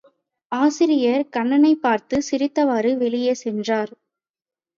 ஆசிரியர் கண்ணனைப் பார்த்து சிரித்தவாறு வெளியே சென்றார்.